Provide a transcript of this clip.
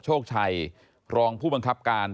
โชคชัยรองผู้บังคับการ